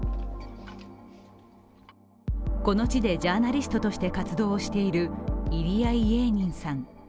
この地でジャーナリストとして活動をしているイリヤ・イエーニンさん。